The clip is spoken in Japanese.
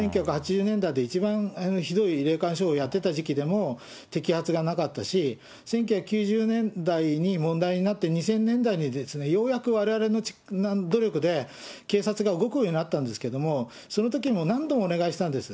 １９８０年代で一番ひどい霊感商法やってた時期でも摘発がなかったし、１９９０年代に問題になって、２０００年代に、ようやくわれわれの努力で警察が動くようになったんですけど、そのときも何度もお願いしたんです。